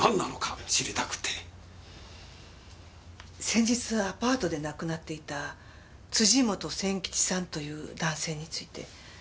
先日アパートで亡くなっていた辻本千吉さんという男性について。